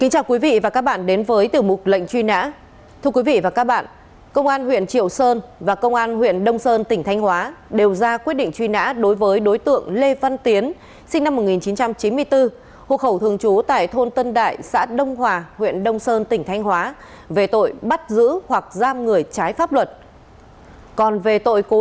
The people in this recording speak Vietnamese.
hãy đăng ký kênh để ủng hộ kênh của chúng mình nhé